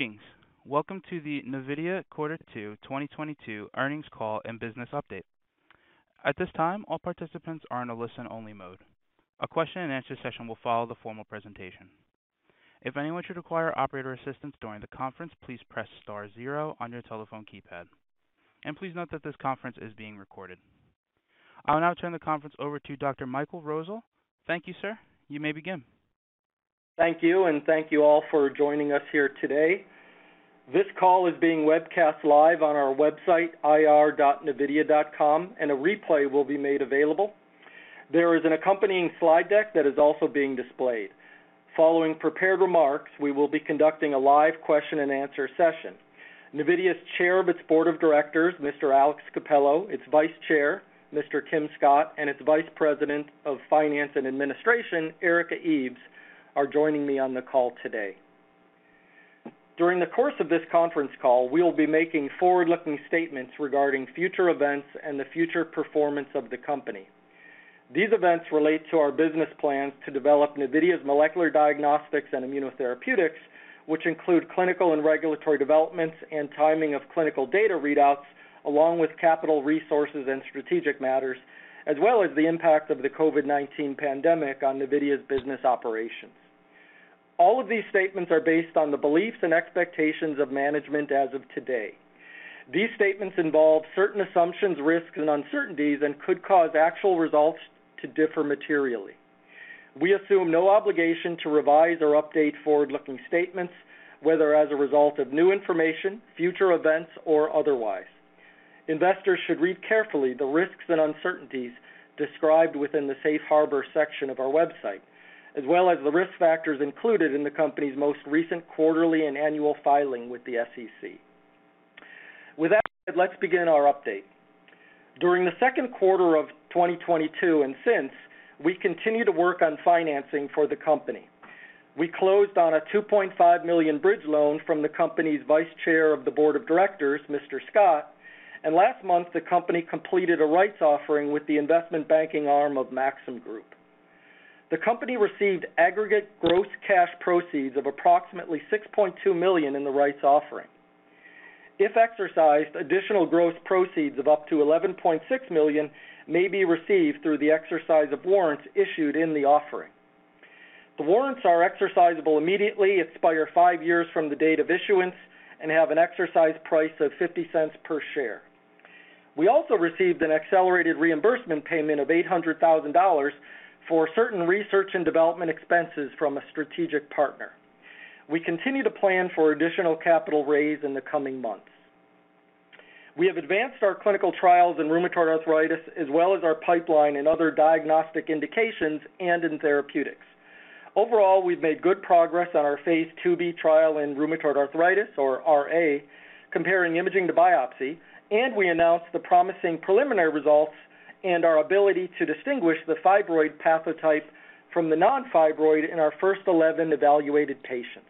Greetings. Welcome to the Navidea Quarter Two 2022 Earnings Call and Business Update. At this time, all participants are in a listen-only mode. A question and answer session will follow the formal presentation. If anyone should require operator assistance during the conference, please press star zero on your telephone keypad. Please note that this conference is being recorded. I'll now turn the conference over to Dr. Michael Rosol. Thank you, sir. You may begin. Thank you, and thank you all for joining us here today. This call is being webcast live on our website, ir.navidea.com, and a replay will be made available. There is an accompanying slide deck that is also being displayed. Following prepared remarks, we will be conducting a live question and answer session. Navidea's Chair of its Board of Directors, Mr. Alex Cappello, its Vice Chair, Mr. John K. Scott, Jr, and its Vice President of Finance and Administration, Erika Eves, are joining me on the call today. During the course of this conference call, we will be making forward-looking statements regarding future events and the future performance of the company. These events relate to our business plans to develop Navidea's molecular diagnostics and immunotherapeutics, which include clinical and regulatory developments and timing of clinical data readouts, along with capital resources and strategic matters, as well as the impact of the COVID-19 pandemic on Navidea's business operations. All of these statements are based on the beliefs and expectations of management as of today. These statements involve certain assumptions, risks, and uncertainties and could cause actual results to differ materially. We assume no obligation to revise or update forward-looking statements, whether as a result of new information, future events, or otherwise. Investors should read carefully the risks and uncertainties described within the Safe Harbor section of our website, as well as the risk factors included in the company's most recent quarterly and annual filing with the SEC. With that, let's begin our update. During the second quarter of 2022 and since, we continue to work on financing for the company. We closed on a $2.5 million bridge loan from the company's Vice Chair of the Board of Directors, Mr. Scott, and last month, the company completed a rights offering with the investment banking arm of Maxim Group. The company received aggregate gross cash proceeds of approximately $6.2 million in the rights offering. If exercised, additional gross proceeds of up to $11.6 million may be received through the exercise of warrants issued in the offering. The warrants are exercisable immediately, expire five years from the date of issuance, and have an exercise price of $0.50 per share. We also received an accelerated reimbursement payment of $800,000 for certain research and development expenses from a strategic partner. We continue to plan for additional capital raise in the coming months. We have advanced our clinical trials in rheumatoid arthritis as well as our pipeline in other diagnostic indications and in therapeutics. Overall, we've made good progress on our phase II-B trial in rheumatoid arthritis or RA, comparing imaging to biopsy, and we announced the promising preliminary results and our ability to distinguish the fibroid pathotype from the non-fibroid in our first 11 evaluated patients.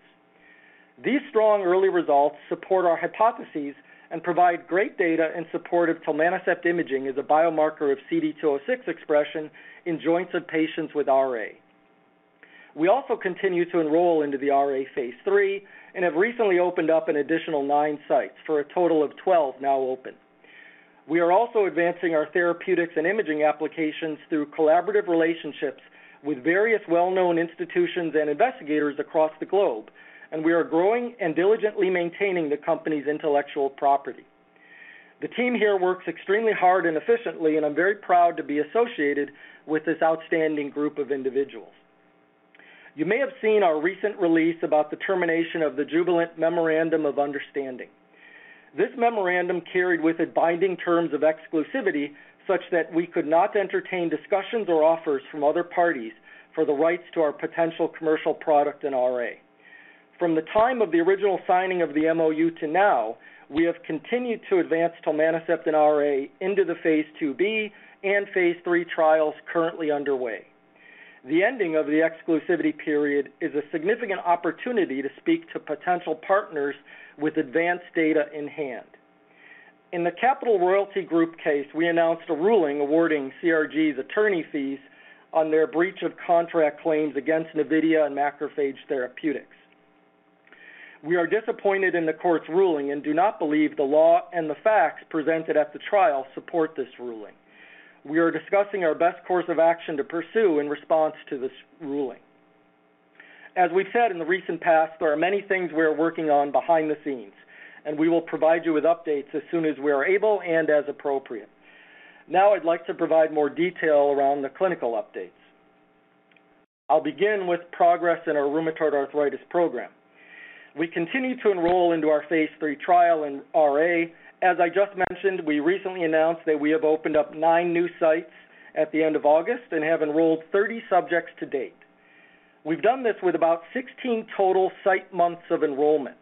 These strong early results support our hypotheses and provide great data in support of tilmanocept imaging as a biomarker of CD206 expression in joints of patients with RA. We also continue to enroll into the RA phase III and have recently opened up an additional nine sites for a total of 12 now open. We are also advancing our therapeutics and imaging applications through collaborative relationships with various well-known institutions and investigators across the globe, and we are growing and diligently maintaining the company's intellectual property. The team here works extremely hard and efficiently, and I'm very proud to be associated with this outstanding group of individuals. You may have seen our recent release about the termination of the Jubilant Memorandum of Understanding. This memorandum carried with it binding terms of exclusivity such that we could not entertain discussions or offers from other parties for the rights to our potential commercial product in RA. From the time of the original signing of the MoU to now, we have continued to advance tilmanocept in RA into the phase II-B and phase III trials currently underway. The ending of the exclusivity period is a significant opportunity to speak to potential partners with advanced data in hand. In the Capital Royalty Group case, we announced a ruling awarding CRG's attorney fees on their breach of contract claims against Navidea and Macrophage Therapeutics. We are disappointed in the court's ruling and do not believe the law and the facts presented at the trial support this ruling. We are discussing our best course of action to pursue in response to this ruling. As we've said in the recent past, there are many things we are working on behind the scenes, and we will provide you with updates as soon as we are able and as appropriate. Now I'd like to provide more detail around the clinical updates. I'll begin with progress in our rheumatoid arthritis program. We continue to enroll into our phase III trial in RA. As I just mentioned, we recently announced that we have opened up nine new sites at the end of August and have enrolled 30 subjects to date. We've done this with about 16 total site months of enrollment,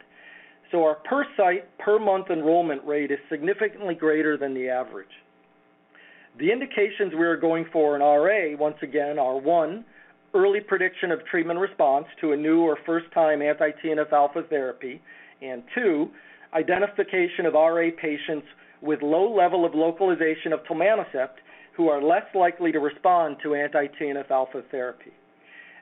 so our per site per month enrollment rate is significantly greater than the average. The indications we are going for in RA, once again, are, one, early prediction of treatment response to a new or first-time anti-TNF alpha therapy, and two, identification of RA patients with low level of localization of tilmanocept who are less likely to respond to anti-TNF alpha therapy.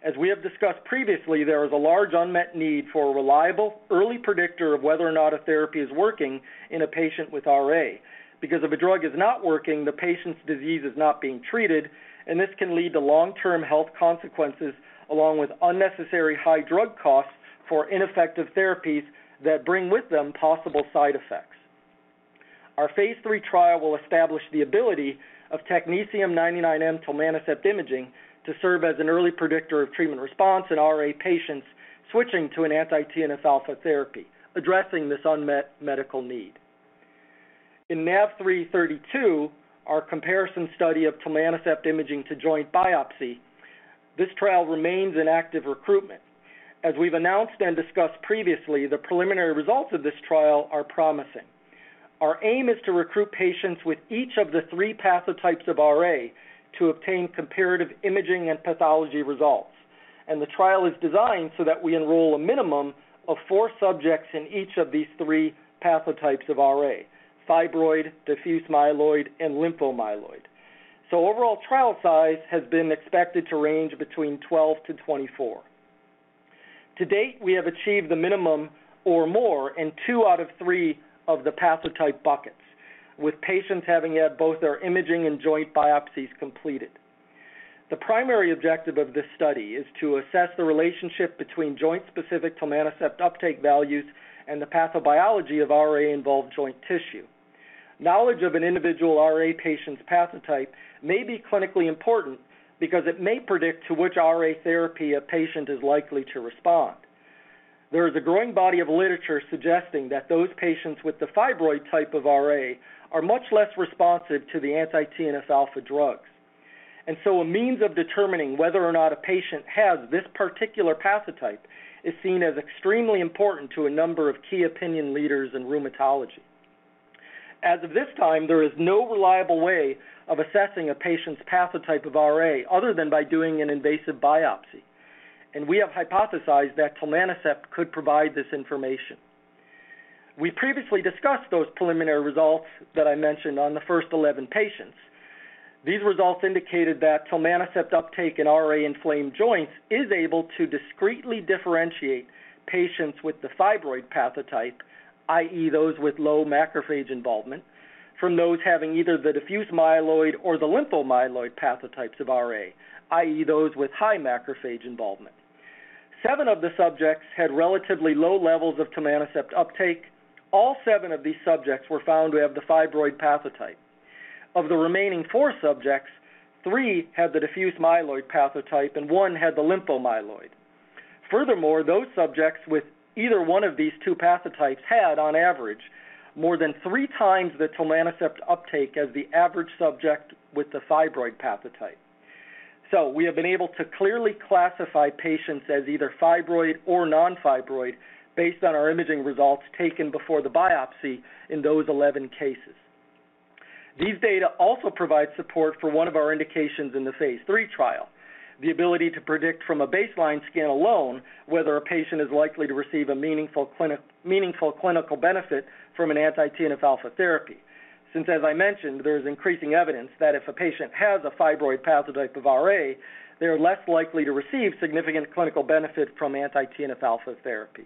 As we have discussed previously, there is a large unmet need for a reliable early predictor of whether or not a therapy is working in a patient with RA. Because if a drug is not working, the patient's disease is not being treated, and this can lead to long-term health consequences along with unnecessary high drug costs for ineffective therapies that bring with them possible side effects. Our phase III trial will establish the ability of technetium-99m tilmanocept imaging to serve as an early predictor of treatment response in RA patients switching to an anti-TNF alpha therapy, addressing this unmet medical need. In NAV3-32, our comparison study of tilmanocept imaging to joint biopsy, this trial remains in active recruitment. As we've announced and discussed previously, the preliminary results of this trial are promising. Our aim is to recruit patients with each of the three pathotypes of RA to obtain comparative imaging and pathology results. The trial is designed so that we enroll a minimum of four subjects in each of these three pathotypes of RA, fibroid, diffuse-myeloid, and lymphomyeloid. Overall trial size has been expected to range between 12-24. To date, we have achieved the minimum or more in two out of three of the pathotype buckets, with patients having had both their imaging and joint biopsies completed. The primary objective of this study is to assess the relationship between joint-specific tilmanocept uptake values and the pathobiology of RA-involved joint tissue. Knowledge of an individual RA patient's pathotype may be clinically important because it may predict to which RA therapy a patient is likely to respond. There is a growing body of literature suggesting that those patients with the fibroid type of RA are much less responsive to the anti-TNF alpha drugs. A means of determining whether or not a patient has this particular pathotype is seen as extremely important to a number of key opinion leaders in rheumatology. As of this time, there is no reliable way of assessing a patient's pathotype of RA other than by doing an invasive biopsy. We have hypothesized that tilmanocept could provide this information. We previously discussed those preliminary results that I mentioned on the first 11 patients. These results indicated that tilmanocept uptake in RA-inflamed joints is able to discreetly differentiate patients with the fibroid pathotype, i.e., those with low macrophage involvement, from those having either the diffuse-myeloid or the lymphomyeloid pathotypes of RA, i.e., those with high macrophage involvement. Seven of the subjects had relatively low levels of tilmanocept uptake. All seven of these subjects were found to have the fibroid pathotype. Of the remaining four subjects, three had the diffuse-myeloid pathotype and one had the lymphomyeloid. Furthermore, those subjects with either one of these two pathotypes had, on average, more than three times the tilmanocept uptake as the average subject with the fibroid pathotype. We have been able to clearly classify patients as either fibroid or non-fibroid based on our imaging results taken before the biopsy in those 11 cases. These data also provide support for one of our indications in the phase III trial, the ability to predict from a baseline scan alone whether a patient is likely to receive a meaningful clinical benefit from an anti-TNF alpha therapy. Since, as I mentioned, there is increasing evidence that if a patient has a fibroid pathotype of RA, they are less likely to receive significant clinical benefit from anti-TNF alpha therapy.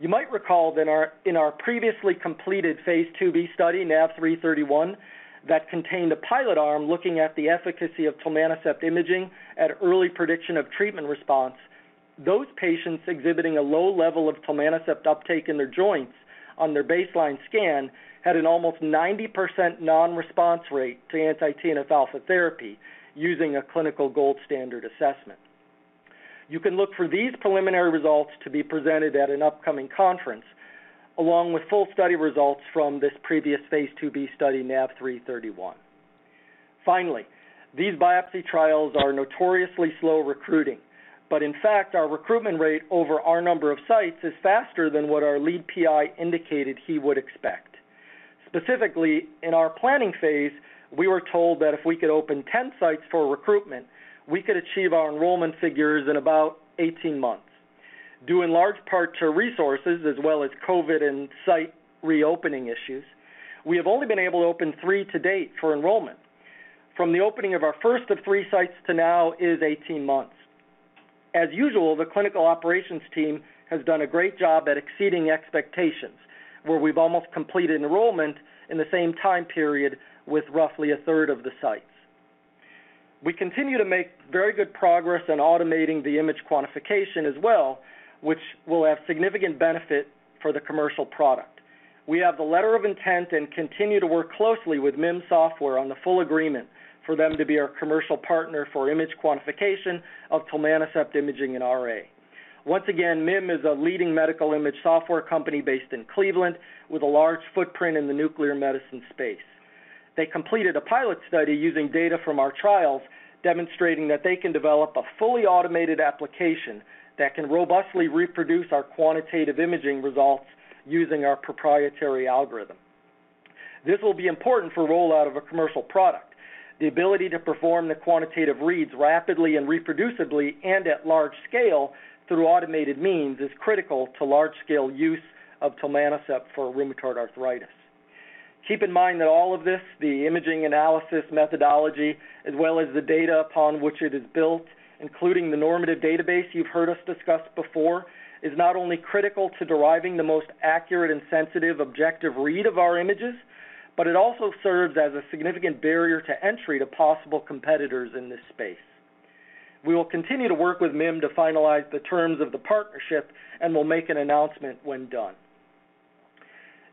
You might recall that in our previously completed phase II-B study, NAV3-31, that contained a pilot arm looking at the efficacy of tilmanocept imaging at early prediction of treatment response, those patients exhibiting a low level of tilmanocept uptake in their joints on their baseline scan had an almost 90% non-response rate to anti-TNF alpha therapy using a clinical gold standard assessment. You can look for these preliminary results to be presented at an upcoming conference, along with full study results from this previous phase II-B study, NAV3-31. Finally, these biopsy trials are notoriously slow recruiting, but in fact, our recruitment rate over our number of sites is faster than what our lead PI indicated he would expect. Specifically, in our planning phase, we were told that if we could open 10 sites for recruitment, we could achieve our enrollment figures in about 18 months. Due in large part to resources as well as COVID and site reopening issues, we have only been able to open three to date for enrollment. From the opening of our first of three sites to now is 18 months. As usual, the clinical operations team has done a great job at exceeding expectations, where we've almost completed enrollment in the same time period with roughly a third of the sites. We continue to make very good progress in automating the image quantification as well, which will have significant benefit for the commercial product. We have the letter of intent and continue to work closely with MIM Software on the full agreement for them to be our commercial partner for image quantification of tilmanocept imaging in RA. Once again, MIM is a leading medical imaging software company based in Cleveland with a large footprint in the nuclear medicine space. They completed a pilot study using data from our trials demonstrating that they can develop a fully automated application that can robustly reproduce our quantitative imaging results using our proprietary algorithm. This will be important for rollout of a commercial product. The ability to perform the quantitative reads rapidly and reproducibly and at large scale through automated means is critical to large-scale use of tilmanocept for rheumatoid arthritis. Keep in mind that all of this, the imaging analysis methodology, as well as the data upon which it is built, including the normative database you've heard us discuss before, is not only critical to deriving the most accurate and sensitive objective read of our images, but it also serves as a significant barrier to entry to possible competitors in this space. We will continue to work with MIM to finalize the terms of the partnership, and we'll make an announcement when done.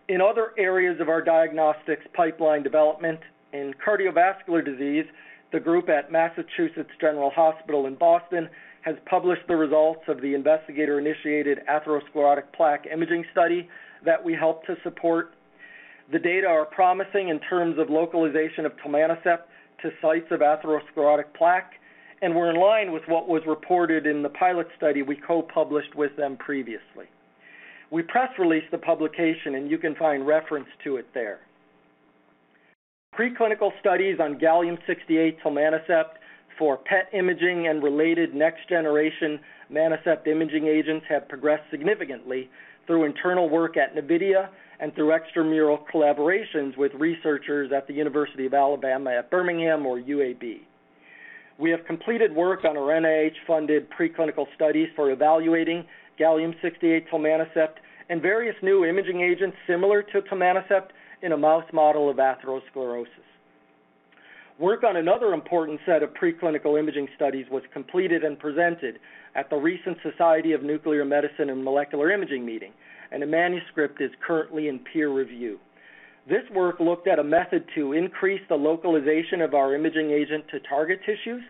In other areas of our diagnostics pipeline development, in cardiovascular disease, the group at Massachusetts General Hospital in Boston has published the results of the investigator-initiated atherosclerotic plaque imaging study that we helped to support. The data are promising in terms of localization of tilmanocept to sites of atherosclerotic plaque and were in line with what was reported in the pilot study we co-published with them previously. We press released the publication, and you can find reference to it there. Preclinical studies on gallium-68 tilmanocept for PET imaging and related next-generation Manocept imaging agents have progressed significantly through internal work at Navidea and through extramural collaborations with researchers at the University of Alabama at Birmingham, or UAB. We have completed work on our NIH-funded preclinical studies for evaluating gallium-68 tilmanocept and various new imaging agents similar to tilmanocept in a mouse model of atherosclerosis. Work on another important set of preclinical imaging studies was completed and presented at the recent Society of Nuclear Medicine and Molecular Imaging meeting, and a manuscript is currently in peer review. This work looked at a method to increase the localization of our imaging agent to target tissues,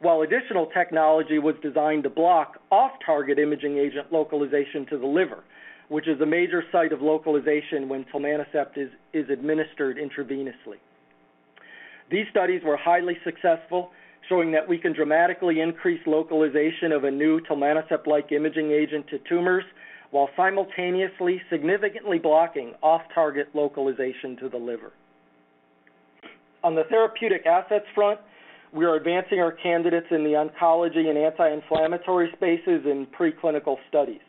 while additional technology was designed to block off-target imaging agent localization to the liver, which is a major site of localization when tilmanocept is administered intravenously. These studies were highly successful, showing that we can dramatically increase localization of a new tilmanocept-like imaging agent to tumors while simultaneously significantly blocking off-target localization to the liver. On the therapeutic assets front, we are advancing our candidates in the oncology and anti-inflammatory spaces in preclinical studies.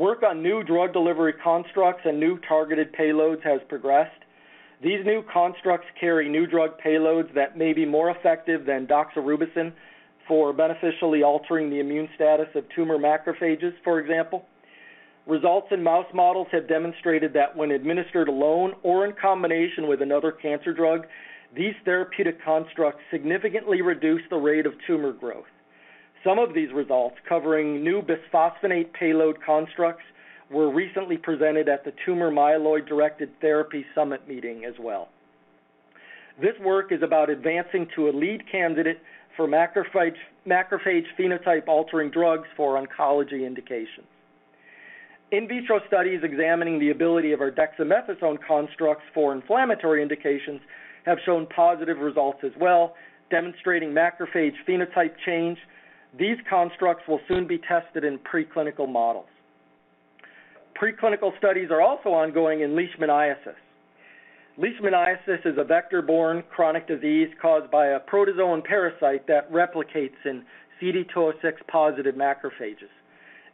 Work on new drug delivery constructs and new targeted payloads has progressed. These new constructs carry new drug payloads that may be more effective than doxorubicin for beneficially altering the immune status of tumor macrophages, for example. Results in mouse models have demonstrated that when administered alone or in combination with another cancer drug, these therapeutic constructs significantly reduce the rate of tumor growth. Some of these results, covering new bisphosphonate payload constructs, were recently presented at the Tumor Myeloid-Directed Therapies Summit meeting as well. This work is about advancing to a lead candidate for macrophage phenotype-altering drugs for oncology indications. In vitro studies examining the ability of our dexamethasone constructs for inflammatory indications have shown positive results as well, demonstrating macrophage phenotype change. These constructs will soon be tested in preclinical models. Preclinical studies are also ongoing in leishmaniasis. Leishmaniasis is a vector-borne chronic disease caused by a protozoan parasite that replicates in CD206-positive macrophages.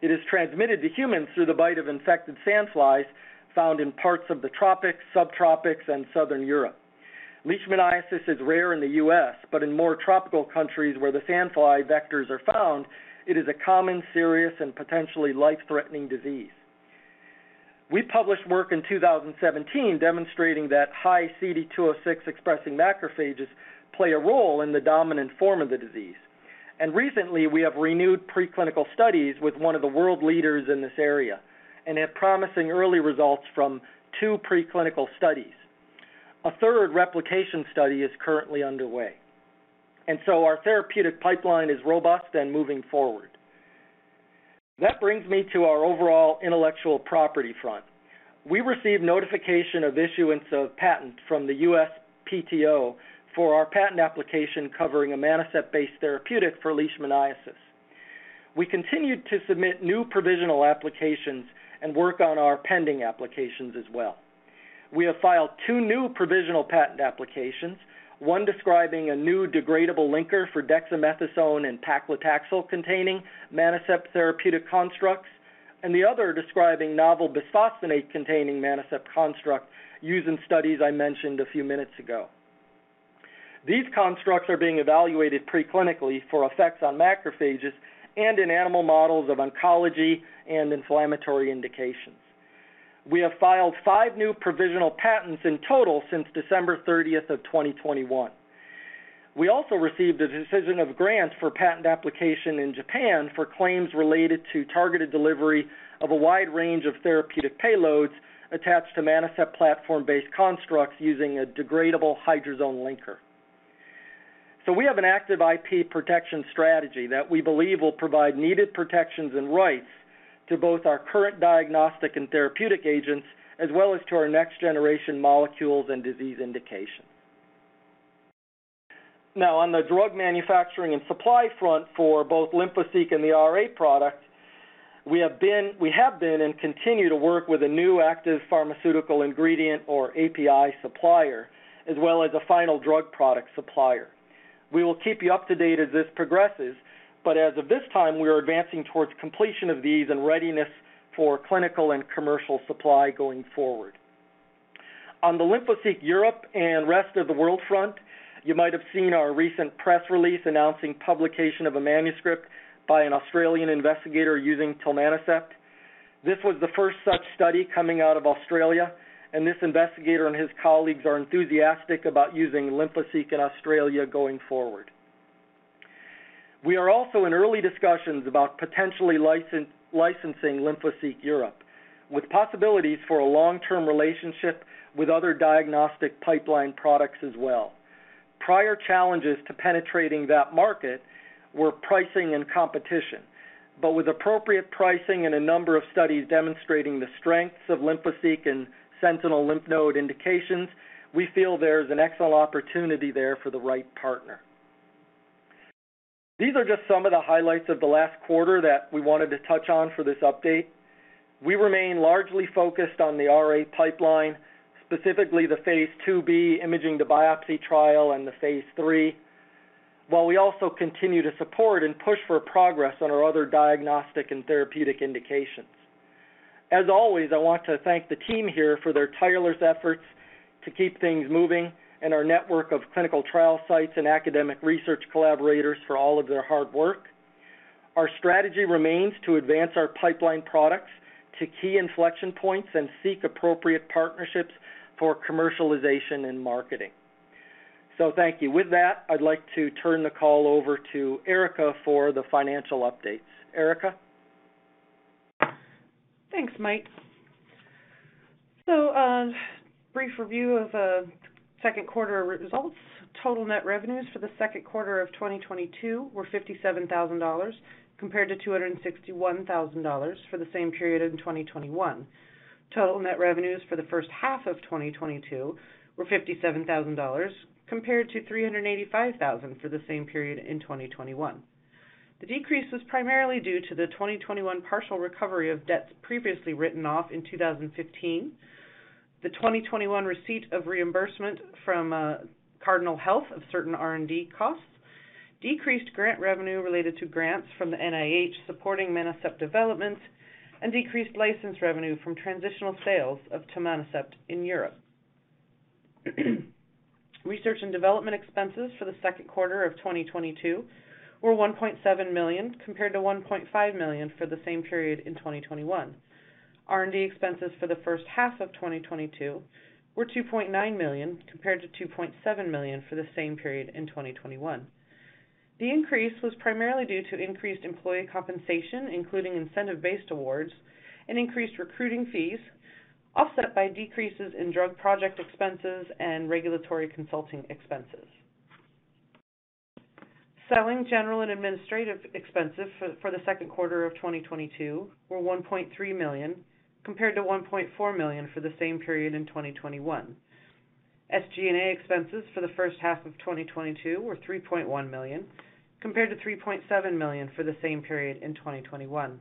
It is transmitted to humans through the bite of infected sandflies found in parts of the tropics, subtropics, and Southern Europe. Leishmaniasis is rare in the U.S., but in more tropical countries where the sandfly vectors are found, it is a common, serious, and potentially life-threatening disease. We published work in 2017 demonstrating that high CD206-expressing macrophages play a role in the dominant form of the disease. Recently, we have renewed preclinical studies with one of the world leaders in this area and have promising early results from two preclinical studies. A third replication study is currently underway, and so our therapeutic pipeline is robust and moving forward. That brings me to our overall intellectual property front. We received notification of issuance of patent from the USPTO for our patent application covering a Manocept-based therapeutic for leishmaniasis. We continued to submit new provisional applications and work on our pending applications as well. We have filed two new provisional patent applications, one describing a new degradable linker for dexamethasone and paclitaxel-containing Manocept therapeutic constructs, and the other describing novel bisphosphonate-containing Manocept constructs used in studies I mentioned a few minutes ago. These constructs are being evaluated preclinically for effects on macrophages and in animal models of oncology and inflammatory indications. We have filed five new provisional patents in total since December 30, 2021. We also received a decision of grant for patent application in Japan for claims related to targeted delivery of a wide range of therapeutic payloads attached to Manocept platform-based constructs using a degradable hydrazone linker. We have an active IP protection strategy that we believe will provide needed protections and rights to both our current diagnostic and therapeutic agents, as well as to our next-generation molecules and disease indications. Now, on the drug manufacturing and supply front for both Lymphoseek and the RA product, we have been and continue to work with a new active pharmaceutical ingredient, or API, supplier, as well as a final drug product supplier. We will keep you up to date as this progresses, but as of this time, we are advancing towards completion of these in readiness for clinical and commercial supply going forward. On the Lymphoseek Europe and rest of the world front, you might have seen our recent press release announcing publication of a manuscript by an Australian investigator using tilmanocept. This was the first such study coming out of Australia, and this investigator and his colleagues are enthusiastic about using Lymphoseek in Australia going forward. We are also in early discussions about potentially licensing Lymphoseek Europe, with possibilities for a long-term relationship with other diagnostic pipeline products as well. Prior challenges to penetrating that market were pricing and competition. With appropriate pricing and a number of studies demonstrating the strengths of Lymphoseek and sentinel lymph node indications, we feel there's an excellent opportunity there for the right partner. These are just some of the highlights of the last quarter that we wanted to touch on for this update. We remain largely focused on the RA pipeline, specifically the phase II-B imaging to biopsy trial and the phase III, while we also continue to support and push for progress on our other diagnostic and therapeutic indications. As always, I want to thank the team here for their tireless efforts to keep things moving and our network of clinical trial sites and academic research collaborators for all of their hard work. Our strategy remains to advance our pipeline products to key inflection points and seek appropriate partnerships for commercialization and marketing. Thank you. With that, I'd like to turn the call over to Erika for the financial updates. Erika? Thanks, Mike. Brief review of second quarter results. Total net revenues for the second quarter of 2022 were $57,000 compared to $261,000 for the same period in 2021. Total net revenues for the first half of 2022 were $57,000 compared to $385,000 for the same period in 2021. The decrease was primarily due to the 2021 partial recovery of debts previously written off in 2015, the 2021 receipt of reimbursement from Cardinal Health of certain R&D costs, decreased grant revenue related to grants from the NIH supporting Manocept developments, and decreased license revenue from transitional sales of tilmanocept in Europe. Research and development expenses for the second quarter of 2022 were $1.7 million, compared to $1.5 million for the same period in 2021. R&D expenses for the first half of 2022 were $2.9 million, compared to $2.7 million for the same period in 2021. The increase was primarily due to increased employee compensation, including incentive-based awards and increased recruiting fees, offset by decreases in drug project expenses and regulatory consulting expenses. Selling, general, and administrative expenses for the second quarter of 2022 were $1.3 million, compared to $1.4 million for the same period in 2021. SG&A expenses for the first half of 2022 were $3.1 million, compared to $3.7 million for the same period in 2021.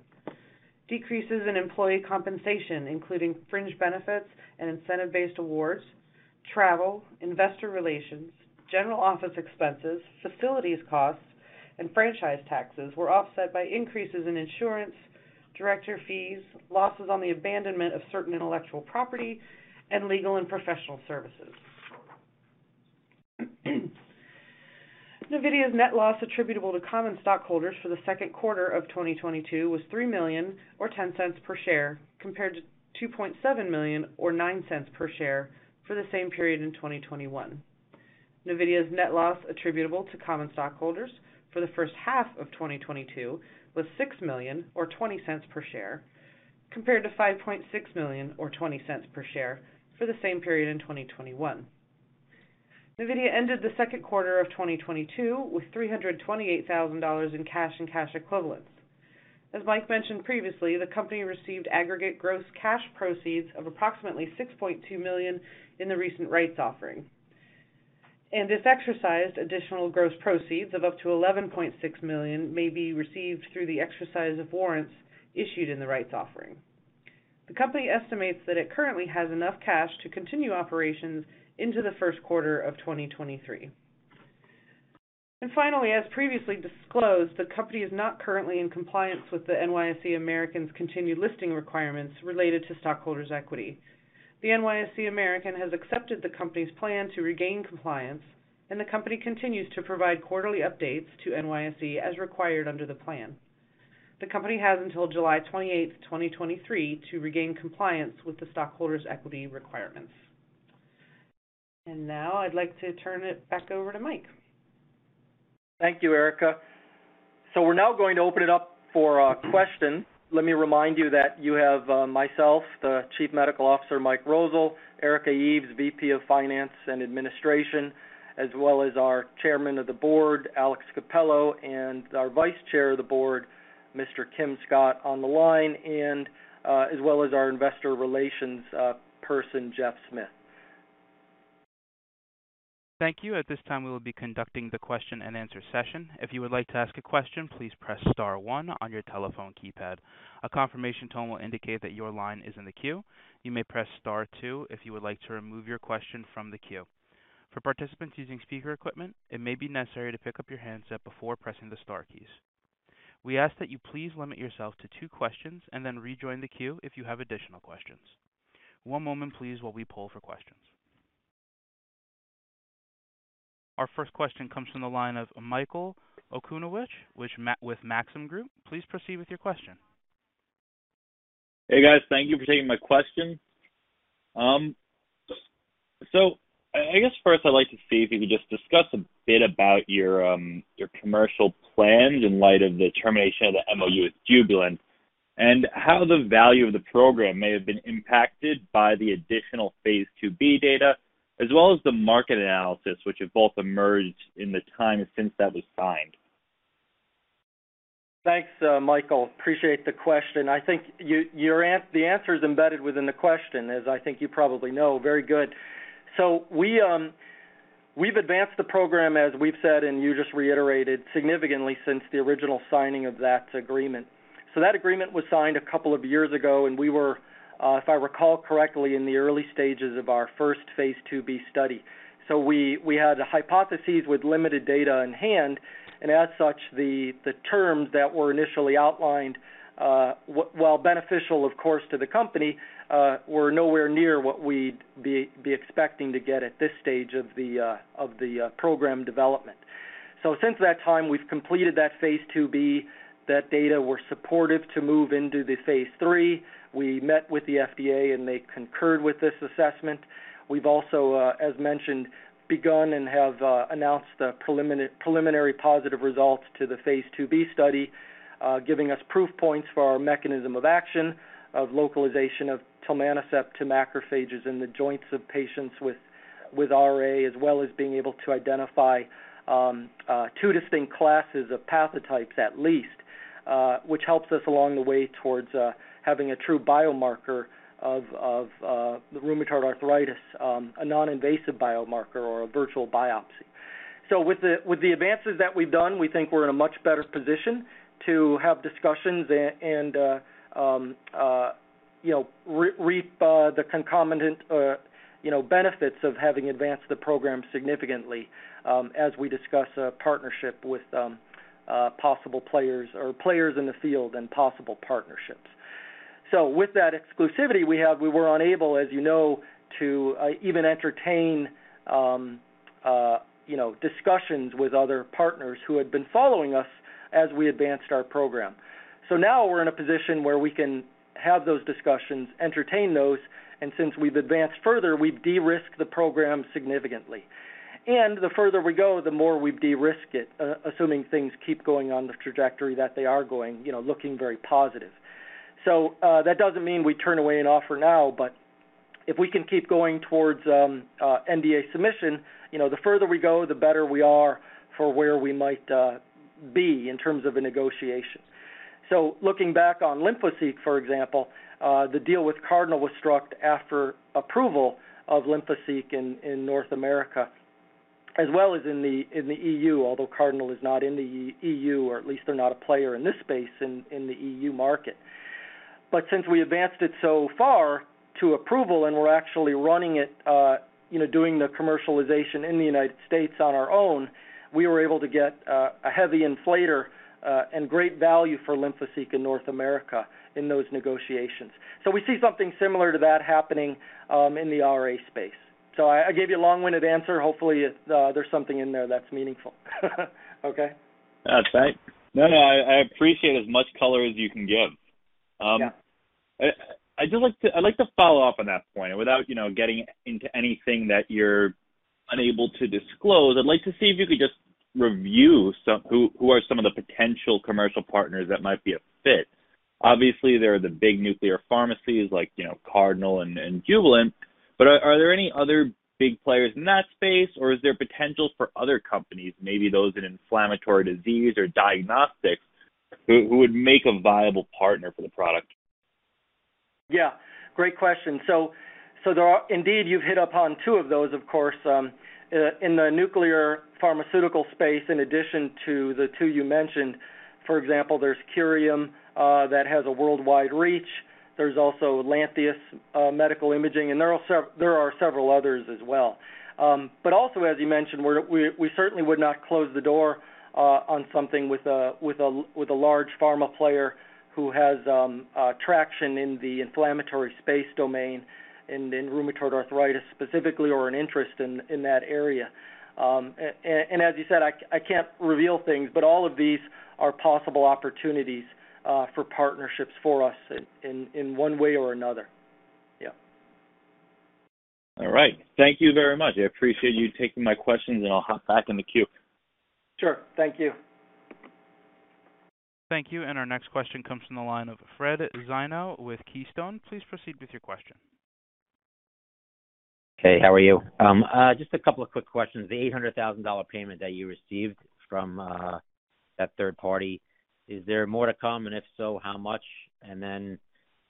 Decreases in employee compensation, including fringe benefits and incentive-based awards, travel, investor relations, general office expenses, facilities costs, and franchise taxes were offset by increases in insurance, director fees, losses on the abandonment of certain intellectual property, and legal and professional services. Navidea's net loss attributable to common stockholders for the second quarter of 2022 was $3 million or $0.10 per share, compared to $2.7 million or $0.09 per share for the same period in 2021. Navidea's net loss attributable to common stockholders for the first half of 2022 was $6 million or $0.20 per share, compared to $5.6 million or $0.20 per share for the same period in 2021. Navidea ended the second quarter of 2022 with $328,000 in cash and cash equivalents. As Mike mentioned previously, the company received aggregate gross cash proceeds of approximately $6.2 million in the recent rights offering. If exercised, additional gross proceeds of up to $11.6 million may be received through the exercise of warrants issued in the rights offering. The company estimates that it currently has enough cash to continue operations into the first quarter of 2023. Finally, as previously disclosed, the company is not currently in compliance with the NYSE American's continued listing requirements related to stockholders' equity. The NYSE American has accepted the company's plan to regain compliance, and the company continues to provide quarterly updates to NYSE as required under the plan. The company has until July 28, 2023 to regain compliance with the stockholders' equity requirements. Now I'd like to turn it back over to Mike. Thank you, Erika. We're now going to open it up for questions. Let me remind you that you have myself, the Chief Medical Officer, Michael Rosol, Erika Eves, VP of Finance and Administration, as well as our Chairman of the Board, Alex Cappello, and our Vice Chair of the Board, John K. Scott, Jr, on the line, and as well as our investor relations person, Jeffrey Smith. Thank you. At this time, we will be conducting the question and answer session. If you would like to ask a question, please press star one on your telephone keypad. A confirmation tone will indicate that your line is in the queue. You may press star two if you would like to remove your question from the queue. For participants using speaker equipment, it may be necessary to pick up your handset before pressing the star keys. We ask that you please limit yourself to two questions and then rejoin the queue if you have additional questions. One moment please while we poll for questions. Our first question comes from the line of Michael Okunewitch with Maxim Group. Please proceed with your question. Hey, guys. Thank you for taking my question. I guess first I'd like to see if you could just discuss a bit about your commercial plans in light of the termination of the MoU with Jubilant and how the value of the program may have been impacted by the additional phase II-B data, as well as the market analysis, which have both emerged in the time since that was signed. Thanks, Michael. Appreciate the question. I think you, and the answer is embedded within the question, as I think you probably know. Very good. We've advanced the program, as we've said, and you just reiterated significantly since the original signing of that agreement. That agreement was signed a couple of years ago, and we were, if I recall correctly, in the early stages of our first phase II-B study. We had a hypothesis with limited data on hand, and as such, the terms that were initially outlined, while beneficial of course to the company, were nowhere near what we'd be expecting to get at this stage of the program development. Since that time, we've completed that phase II-B, that data were supportive to move into the phase III. We met with the FDA, and they concurred with this assessment. We've also, as mentioned, begun and have announced the preliminary positive results to the phase II-B study, giving us proof points for our mechanism of action of localization of tilmanocept to macrophages in the joints of patients with RA, as well as being able to identify two distinct classes of pathotypes at least, which helps us along the way towards having a true biomarker of the rheumatoid arthritis, a non-invasive biomarker or a virtual biopsy. With the advances that we've done, we think we're in a much better position to have discussions and you know reap the concomitant benefits of having advanced the program significantly as we discuss a partnership with possible players or players in the field and possible partnerships. With that exclusivity we have, we were unable, as you know, to even entertain you know discussions with other partners who had been following us as we advanced our program. Now we're in a position where we can have those discussions, entertain those, and since we've advanced further, we've de-risked the program significantly. The further we go, the more we've de-risk it, assuming things keep going on the trajectory that they are going, you know, looking very positive. That doesn't mean we turn away an offer now, but if we can keep going towards NDA submission, you know, the further we go, the better we are for where we might be in terms of a negotiation. Looking back on Lymphoseek, for example, the deal with Cardinal Health was struck after approval of Lymphoseek in North America as well as in the EU, although Cardinal Health is not in the EU, or at least they're not a player in this space in the EU market. Since we advanced it so far to approval and we're actually running it, you know, doing the commercialization in the United States on our own, we were able to get a hefty up-front and great value for Lymphoseek in North America in those negotiations. We see something similar to that happening in the RA space. I gave you a long-winded answer. Hopefully, it, there's something in there that's meaningful. Okay. That's right. No, no, I appreciate as much color as you can give. Yeah. I'd like to follow up on that point. Without, you know, getting into anything that you're unable to disclose, I'd like to see if you could just review some who are some of the potential commercial partners that might be a fit. Obviously, there are the big nuclear pharmacies like, you know, Cardinal and Jubilant. Are there any other big players in that space, or is there potential for other companies, maybe those in inflammatory disease or diagnostics, who would make a viable partner for the product? Yeah, great question. There are indeed, you've hit upon two of those, of course. In the nuclear pharmaceutical space, in addition to the two you mentioned, for example, there's Curium that has a worldwide reach. There's also Lantheus Medical Imaging, and there are several others as well. Also as you mentioned, we certainly would not close the door on something with a large pharma player who has traction in the inflammatory space domain in rheumatoid arthritis specifically or an interest in that area. And as you said, I can't reveal things, but all of these are possible opportunities for partnerships for us in one way or another. Yeah. All right. Thank you very much. I appreciate you taking my questions, and I'll hop back in the queue. Sure. Thank you. Thank you. Our next question comes from the line of Fred Zaino with Keystone. Please proceed with your question. Hey, how are you? Just a couple of quick questions. The $800,000 payment that you received from that third party, is there more to come? And if so, how much? And then,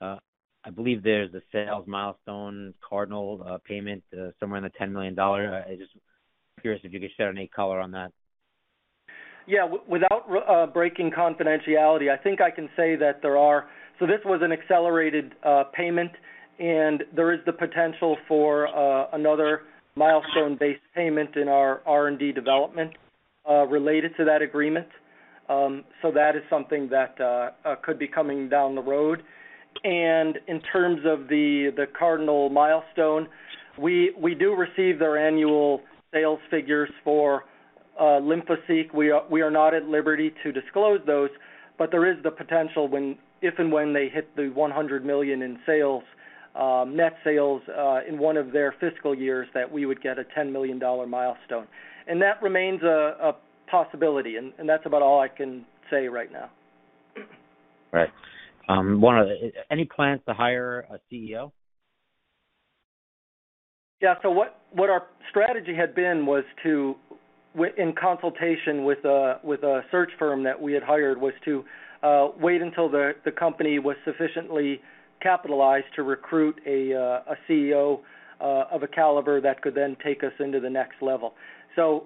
I believe there's a sales milestone Cardinal Health payment somewhere in the $10 million. I'm just curious if you could shed any color on that. Yeah. Without breaking confidentiality, I think I can say that this was an accelerated payment, and there is the potential for another milestone-based payment in our R&D development related to that agreement. That is something that could be coming down the road. In terms of the Cardinal milestone, we do receive their annual sales figures for Lymphoseek. We are not at liberty to disclose those, but there is the potential if and when they hit $100 million in sales, net sales, in one of their fiscal years, that we would get a $10 million milestone. That remains a possibility, and that's about all I can say right now. Right. Any plans to hire a CEO? Yeah. What our strategy had been was to, in consultation with a search firm that we had hired, wait until the company was sufficiently capitalized to recruit a CEO of a caliber that could then take us into the next level.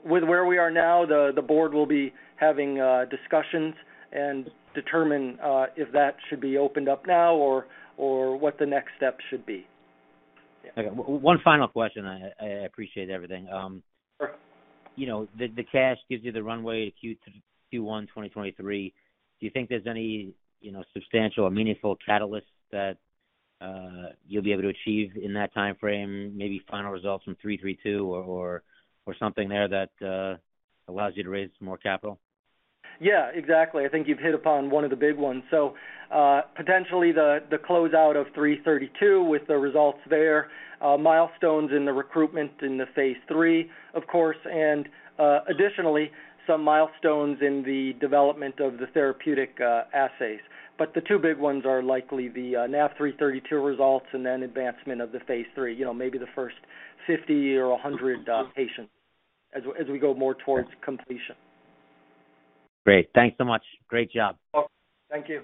With where we are now, the board will be having discussions and determine if that should be opened up now or what the next step should be. Okay. One final question. I appreciate everything. Sure. You know, the cash gives you the runway to Q1 2023. Do you think there's any, you know, substantial or meaningful catalyst that you'll be able to achieve in that timeframe, maybe final results from NAV3-32 or something there that allows you to raise some more capital? Yeah, exactly. I think you've hit upon one of the big ones. Potentially the closeout of NAV3-32 with the results there, milestones in the recruitment in the phase III, of course, and additionally, some milestones in the development of the therapeutic assays. The two big ones are likely the NAV3-32 results and then advancement of the phase III. You know, maybe the first 50 or 100 patients as we go more towards completion. Great. Thanks so much. Great job. Well, thank you.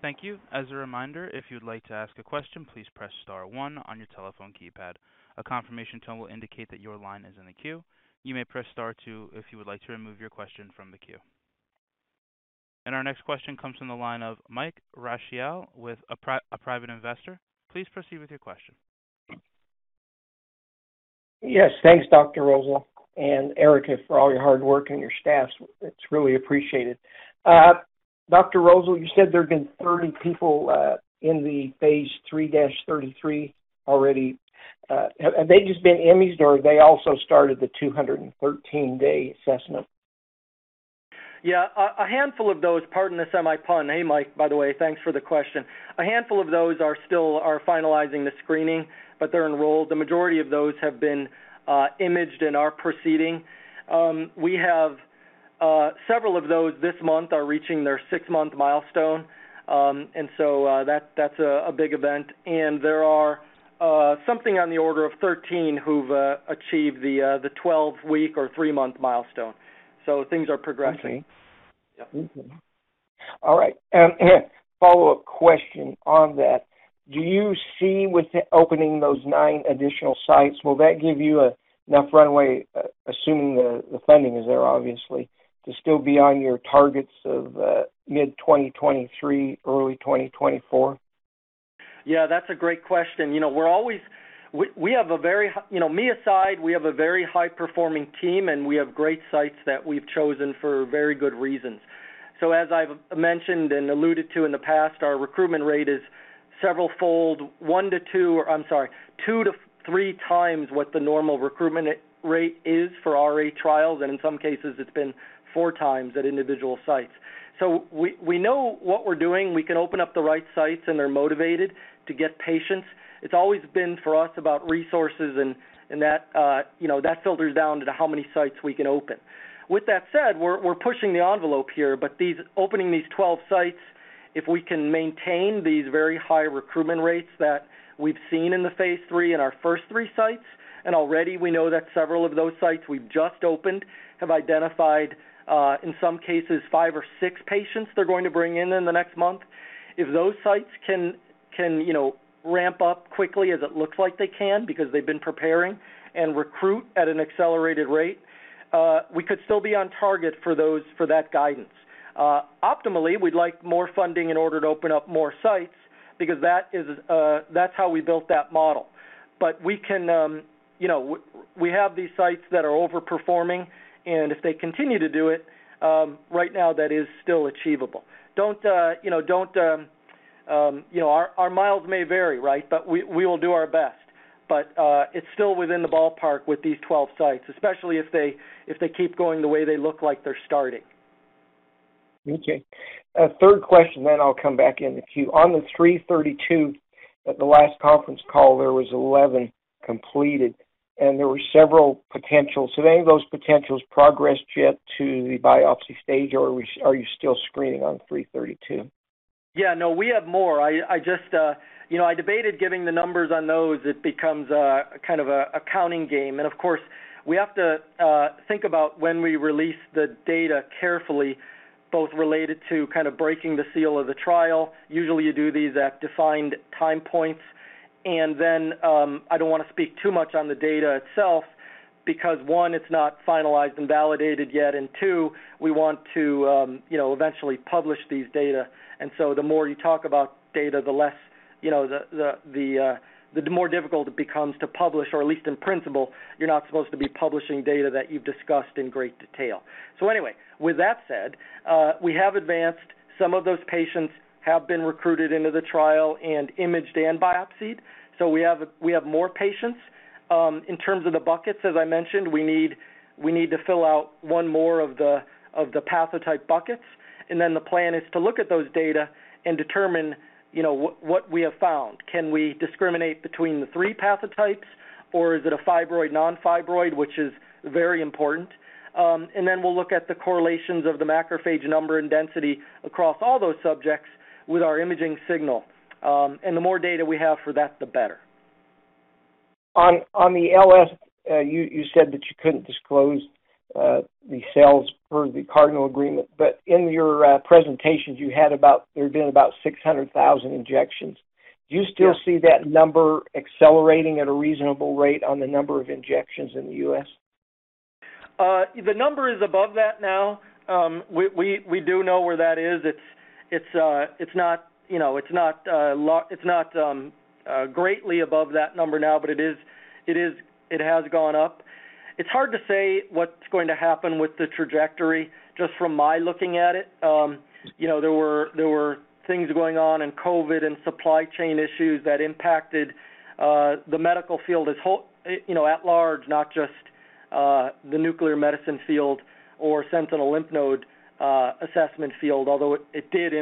Thank you. As a reminder, if you'd like to ask a question, please press star one on your telephone keypad. A confirmation tone will indicate that your line is in the queue. You may press star two if you would like to remove your question from the queue. Our next question comes from the line of Mike Rachiel with a private investor. Please proceed with your question. Yes. Thanks, Dr. Rosol and Erika for all your hard work and your staff's. It's really appreciated. Dr. Rosol, you said there have been 30 people in the phase III-33 already. Have they just been imaged, or they also started the 213-day assessment? Yeah. A handful of those. Pardon the semi pun. Hey, Mike, by the way, thanks for the question. A handful of those are still finalizing the screening, but they're enrolled. The majority of those have been imaged and are proceeding. We have several of those this month are reaching their six-month milestone, and so that's a big event. There are something on the order of 13 who've achieved the 12-week or 3-month milestone. Things are progressing. Okay. Yeah. All right. Follow-up question on that. Do you see with the opening those nine additional sites, will that give you enough runway, assuming the funding is there obviously, to still be on your targets of mid-2023, early 2024? Yeah, that's a great question. You know, me aside, we have a very high-performing team, and we have great sites that we've chosen for very good reasons. As I've mentioned and alluded to in the past, our recruitment rate is severalfold, 1-2, or I'm sorry, 2x-3x what the normal recruitment rate is for RA trials, and in some cases, it's been 4x at individual sites. We know what we're doing. We can open up the right sites, and they're motivated to get patients. It's always been for us about resources, and that, you know, that filters down to how many sites we can open. With that said, we're pushing the envelope here, but these opening these 12 sites, if we can maintain these very high recruitment rates that we've seen in the phase III in our first three sites, and already we know that several of those sites we've just opened have identified, in some cases, five or six patients they're going to bring in in the next month. If those sites can, you know, ramp up quickly as it looks like they can because they've been preparing and recruit at an accelerated rate, we could still be on target for that guidance. Optimally, we'd like more funding in order to open up more sites because that is, that's how we built that model. We can, you know, we have these sites that are overperforming, and if they continue to do it, right now, that is still achievable. You know, your mileage may vary, right? We will do our best. It's still within the ballpark with these 12 sites, especially if they keep going the way they look like they're starting. A third question, then I'll come back in the queue. On the NAV3-32, at the last conference call, there was 11 completed, and there were several potentials. Have any of those potentials progressed yet to the biopsy stage, or are you still screening on NAV3-32? Yeah. No, we have more. I just, you know, I debated giving the numbers on those. It becomes kind of a counting game. Of course, we have to think about when we release the data carefully, both related to kind of breaking the seal of the trial. Usually, you do these at defined time points. I don't wanna speak too much on the data itself. Because one, it's not finalized and validated yet, and two, we want to, you know, eventually publish these data. The more you talk about data, the less, you know, the more difficult it becomes to publish, or at least in principle, you're not supposed to be publishing data that you've discussed in great detail. Anyway, with that said, we have advanced. Some of those patients have been recruited into the trial and imaged and biopsied, so we have more patients. In terms of the buckets, as I mentioned, we need to fill out one more of the pathotype buckets, and then the plan is to look at those data and determine, you know, what we have found. Can we discriminate between the three pathotypes, or is it a fibroid/non-fibroid, which is very important? We'll look at the correlations of the macrophage number and density across all those subjects with our imaging signal. The more data we have for that, the better. On the LS, you said that you couldn't disclose the sales per the Cardinal agreement, but in your presentations there had been about 600,000 injections. Yeah. Do you still see that number accelerating at a reasonable rate on the number of injections in the U.S.? The number is above that now. We do know where that is. It's not, you know, it's not greatly above that number now, but it is. It has gone up. It's hard to say what's going to happen with the trajectory just from my looking at it. You know, there were things going on in COVID and supply chain issues that impacted the medical field as a whole, you know, at large, not just the nuclear medicine field or sentinel lymph node assessment field, although it did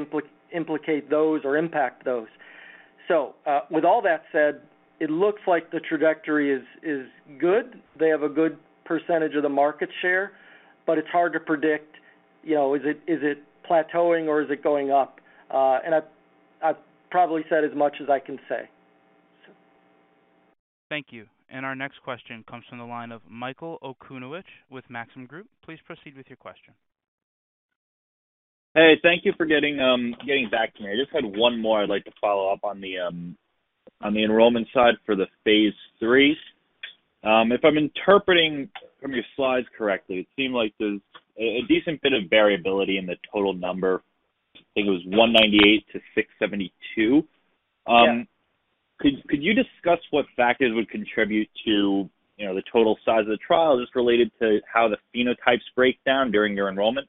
implicate those or impact those. With all that said, it looks like the trajectory is good. They have a good percentage of the market share, but it's hard to predict, you know, is it plateauing or is it going up? I've probably said as much as I can say. Thank you. Our next question comes from the line of Michael Okunewitch with Maxim Group. Please proceed with your question. Hey, thank you for getting back to me. I just had one more I'd like to follow up on the enrollment side for the phase III. If I'm interpreting from your slides correctly, it seemed like there's a decent bit of variability in the total number. I think it was 198-672. Yeah. Could you discuss what factors would contribute to the total size of the trial just related to how the phenotypes break down during your enrollment?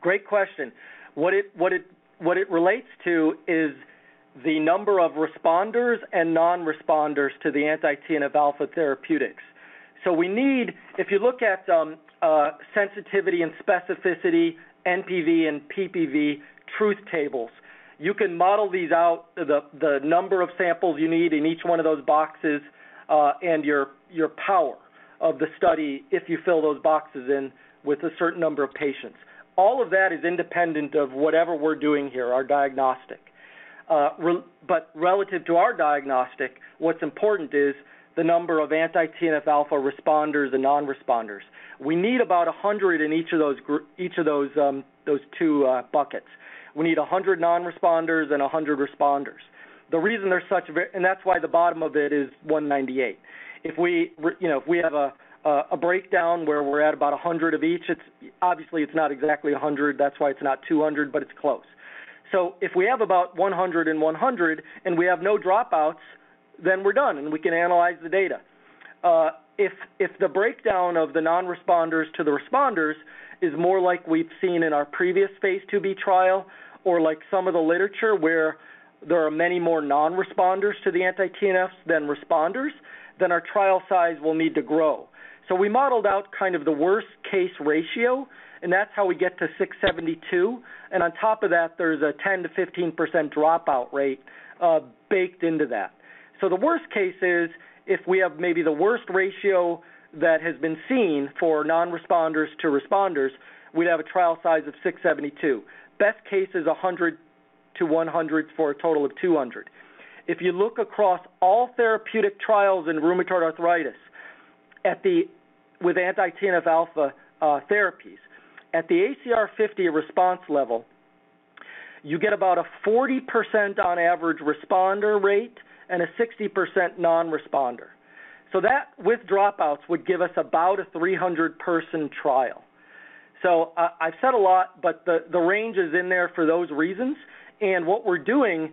Great question. What it relates to is the number of responders and non-responders to the anti-TNF alpha therapeutics. We need, if you look at sensitivity and specificity, NPV and PPV truth tables, you can model these out, the number of samples you need in each one of those boxes, and your power of the study if you fill those boxes in with a certain number of patients. All of that is independent of whatever we're doing here, our diagnostic. Relative to our diagnostic, what's important is the number of anti-TNF alpha responders and non-responders. We need about 100 in each of those group, each of those two buckets. We need 100 non-responders and 100 responders. That's why the bottom of it is 198. If we have a breakdown where we're at about 100 of each, it's obviously not exactly 100, that's why it's not 200, but it's close. If we have about 100 and 100 and we have no dropouts, then we're done and we can analyze the data. If the breakdown of the non-responders to the responders is more like we've seen in our previous phase II-B trial or like some of the literature where there are many more non-responders to the anti-TNFs than responders, then our trial size will need to grow. We modeled out kind of the worst case ratio, and that's how we get to 672. On top of that, there's a 10%-15% dropout rate baked into that. The worst case is if we have maybe the worst ratio that has been seen for non-responders to responders, we'd have a trial size of 672. Best case is 100 to 100 for a total of 200. If you look across all therapeutic trials in rheumatoid arthritis with anti-TNF alpha therapies, at the ACR 50 response level, you get about a 40% on average responder rate and a 60% non-responder. That, with dropouts, would give us about a 300-person trial. I've said a lot, but the range is in there for those reasons. What we're doing,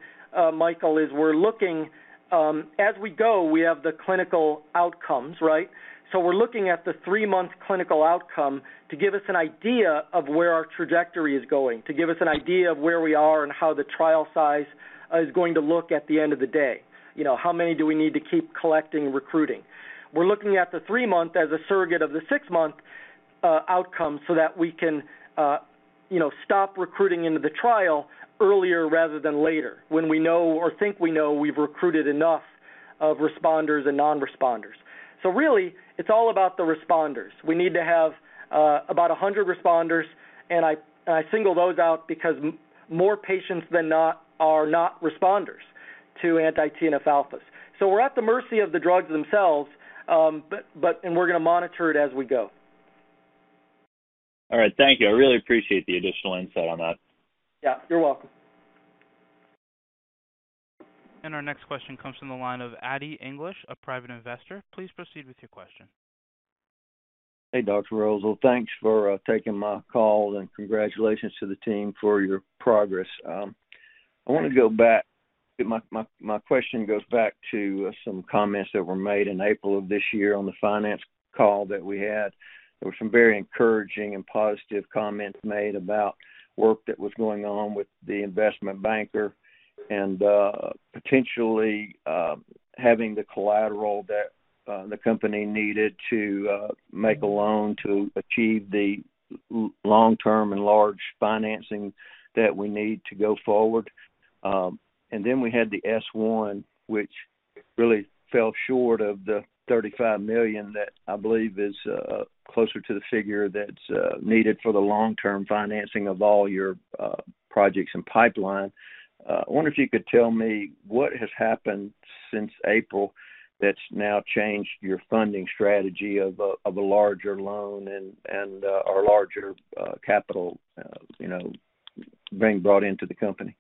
Michael, is we're looking as we go, we have the clinical outcomes, right? We're looking at the three-month clinical outcome to give us an idea of where our trajectory is going, to give us an idea of where we are and how the trial size is going to look at the end of the day. You know, how many do we need to keep collecting and recruiting? We're looking at the three-month as a surrogate of the six-month outcome so that we can, you know, stop recruiting into the trial earlier rather than later when we know or think we know we've recruited enough of responders and non-responders. Really, it's all about the responders. We need to have about 100 responders, and I single those out because more patients than not are not responders to anti-TNF alphas. We're at the mercy of the drugs themselves, but we're gonna monitor it as we go. All right. Thank you. I really appreciate the additional insight on that. Yeah, you're welcome. Our next question comes from the line of Eddie English, a private investor. Please proceed with your question. Hey, Dr. Rosol. Well, thanks for taking my call, and congratulations to the team for your progress. My question goes back to some comments that were made in April of this year on the finance call that we had. There were some very encouraging and positive comments made about work that was going on with the investment banker and potentially having the collateral that the company needed to make a loan to achieve the long-term and large financing that we need to go forward. We had the S-1, which really fell short of the $35 million that I believe is closer to the figure that's needed for the long-term financing of all your projects and pipeline. I wonder if you could tell me what has happened since April that's now changed your funding strategy of a larger loan and/or larger capital, you know, being brought into the company.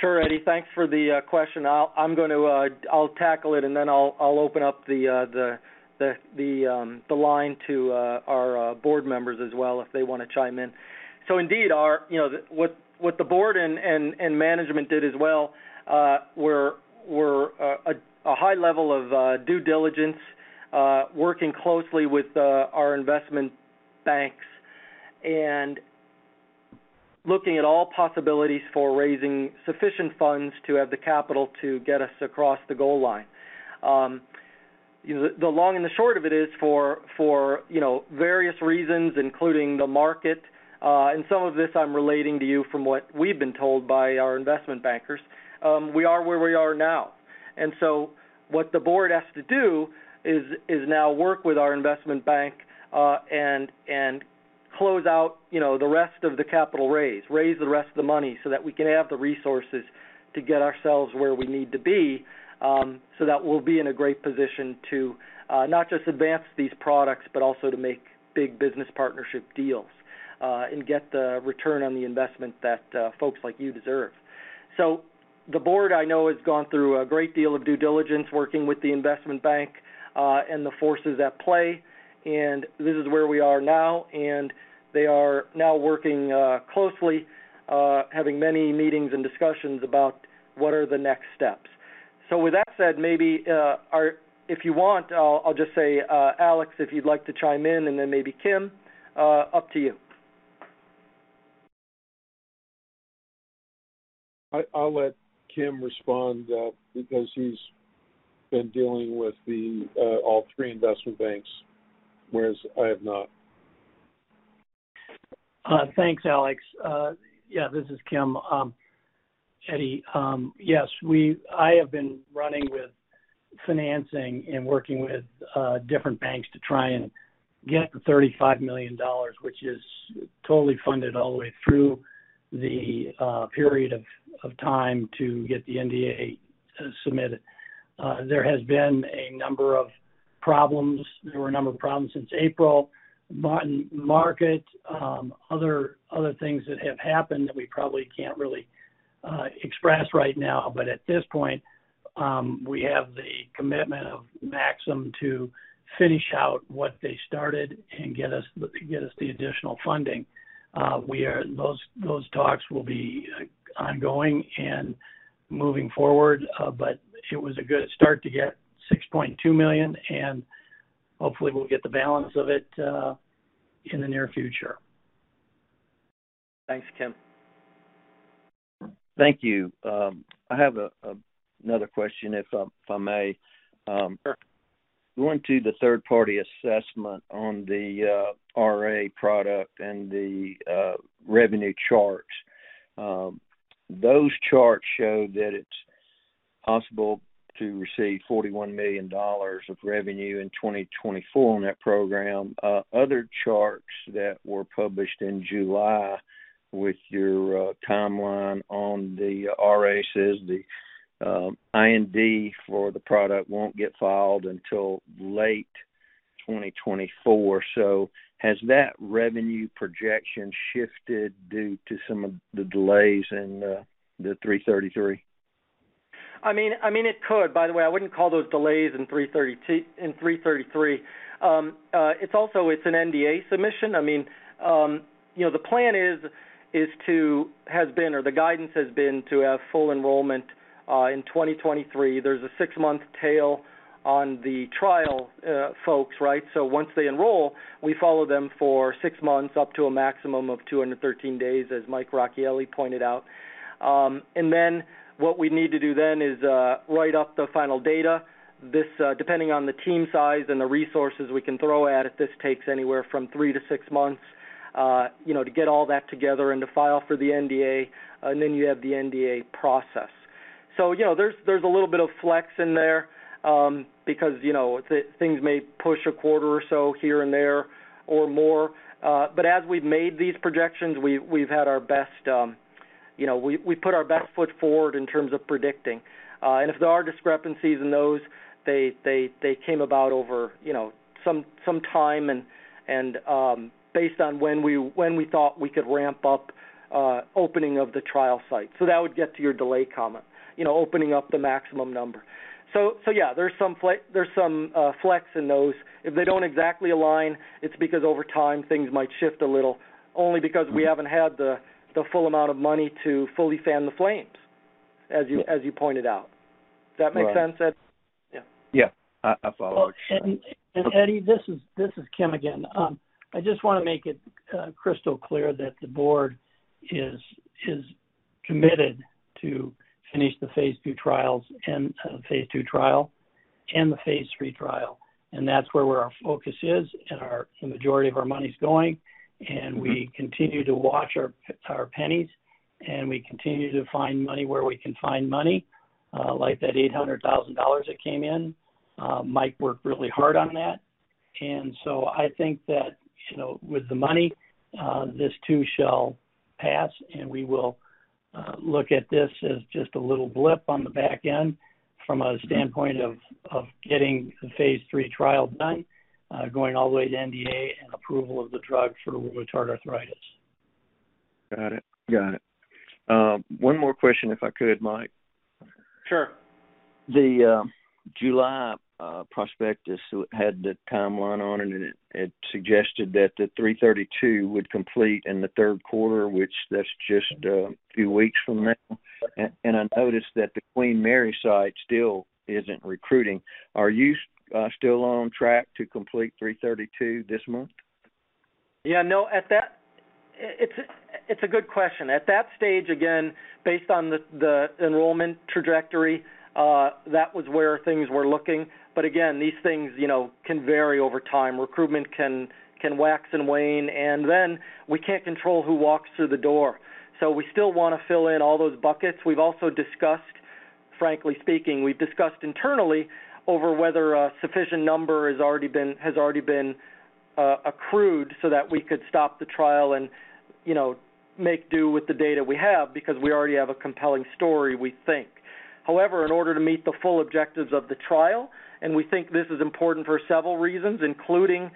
Sure, Eddie. Thanks for the question. I'll tackle it, and then I'll open up the line to our board members as well if they wanna chime in. Indeed, you know, what the board and management did as well were a high level of due diligence working closely with our investment banks and looking at all possibilities for raising sufficient funds to have the capital to get us across the goal line. You know, the long and short of it is for you know various reasons, including the market, and some of this I'm relating to you from what we've been told by our investment bankers, we are where we are now. What the board has to do is now work with our investment bank and close out, you know, the rest of the capital raise. Raise the rest of the money so that we can have the resources to get ourselves where we need to be, so that we'll be in a great position to not just advance these products, but also to make big business partnership deals and get the return on the investment that folks like you deserve. The board, I know, has gone through a great deal of due diligence working with the investment bank and the forces at play, and this is where we are now, and they are now working closely, having many meetings and discussions about what are the next steps. With that said, maybe, or if you want, I'll just say, Alex, if you'd like to chime in and then maybe Kim, up to you. I'll let Kim respond because he's been dealing with all three investment banks, whereas I have not. Thanks, Alex. Yeah, this is Kim. Eddie, yes, I have been running with financing and working with different banks to try and get the $35 million, which is totally funded all the way through the period of time to get the NDA submitted. There has been a number of problems. There were a number of problems since April. Market, other things that have happened that we probably can't really express right now. At this point, we have the commitment of Maxim to finish out what they started and get us the additional funding. Those talks will be ongoing and moving forward, but it was a good start to get $6.2 million, and hopefully we'll get the balance of it in the near future. Thanks, Kim. Thank you. I have another question, if I may. Sure. Going to the third-party assessment on the RA product and the revenue charts. Those charts show that it's possible to receive $41 million of revenue in 2024 on that program. Other charts that were published in July with your timeline on the RA says the IND for the product won't get filed until late 2024. Has that revenue projection shifted due to some of the delays in the NAV3-33? I mean, it could. By the way, I wouldn't call those delays in NAV3-33. It's also an NDA submission. I mean, you know, the plan has been or the guidance has been to have full enrollment in 2023. There's a six-month tail on the trial, folks, right? Once they enroll, we follow them for six months, up to a maximum of 213 days, as Mike Rachiel pointed out. Then what we need to do is write up the final data. This, depending on the team size and the resources we can throw at it, takes anywhere from three to six months, you know, to get all that together and to file for the NDA, and then you have the NDA process. You know, there's a little bit of flex in there, because, you know, things may push a quarter or so here and there or more. As we've made these projections, we've had our best, you know, we put our best foot forward in terms of predicting. If there are discrepancies in those, they came about over, you know, some time and, based on when we thought we could ramp up, opening of the trial site. That would get to your delay comment, you know, opening up the maximum number. Yeah, there's some flex in those. If they don't exactly align, it's because over time things might shift a little, only because we haven't had the full amount of money to fully fan the flames, as you- Yeah. As you pointed out. Right. Does that make sense, Eddie? Yeah. Yeah. I follow. Eddie, this is John K. Scott, Jr again. I just wanna make it crystal clear that the board is committed to finish the phase II trials and the phase III trial. That's where our focus is and the majority of our money's going. We continue to watch our pennies, and we continue to find money where we can find money, like that $800,000 that came in. Mike worked really hard on that. I think that, you know, with the money, this too shall pass, and we will look at this as just a little blip on the back end from a standpoint of getting the phase III trial done, going all the way to NDA and approval of the drug for rheumatoid arthritis. Got it. One more question if I could, Mike. Sure. The July prospectus had the timeline on it, and it suggested that the 332 would complete in the third quarter, which that's just a few weeks from now. I noticed that the Queen Mary site still isn't recruiting. Are you still on track to complete 332 this month? Yeah, no. It's a good question. At that stage, again, based on the enrollment trajectory, that was where things were looking. Again, these things, you know, can vary over time. Recruitment can wax and wane, and then we can't control who walks through the door. We still wanna fill in all those buckets. We've also discussed, frankly speaking, internally over whether a sufficient number has already been accrued so that we could stop the trial and, you know, make do with the data we have because we already have a compelling story, we think. However, in order to meet the full objectives of the trial, we think this is important for several reasons, including